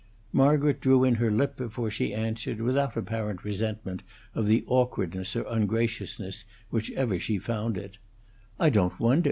Margaret drew in her lip before she answered, without apparent resentment of the awkwardness or ungraciousness, whichever she found it: "I don't wonder!